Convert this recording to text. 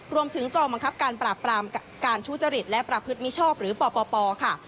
รวมถึงกองบังคับการปราบปรามการทุจริตและประพฤติมิชอบหรือปปค่ะ